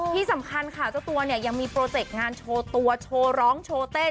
ที่สำคัญค่ะเจ้าตัวเนี่ยยังมีโปรเจกต์งานโชว์ตัวโชว์ร้องโชว์เต้น